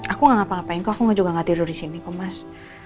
aku gak ngapa ngapain kok aku juga gak tidur di sini kok mas